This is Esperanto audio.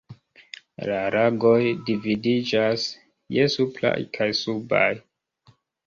La lagoj dividiĝas je supraj kaj subaj.